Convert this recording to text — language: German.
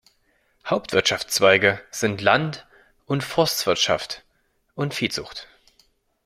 Hauptwirtschaftszweige sind Land- und Forstwirtschaft und Viehzucht.